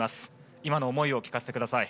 今の思いを聞かせてください。